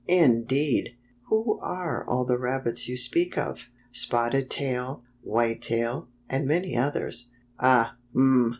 " Indeed! Who are all the rabbits you speak of?" " Spotted Tail, White Tail, and many others." "Ah! Um!"